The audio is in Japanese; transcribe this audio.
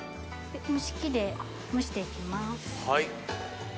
蒸し器で蒸して行きます。